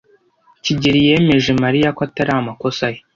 kigeli yemeje Mariya ko atari amakosa ye.